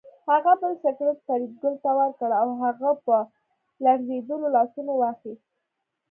هغه بل سګرټ فریدګل ته ورکړ او هغه په لړزېدلو لاسونو واخیست